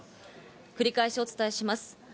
繰り返しお伝えします。